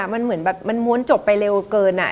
มันเหมือนแบบมันม้วนจบไปเร็วเกิน